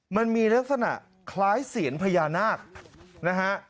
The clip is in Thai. มันมีลักษณะคล้ายเสียญพญานาคนะฮะ